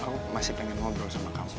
aku masih pengen ngobrol sama kamu